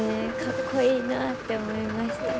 かっこいいなって思いました。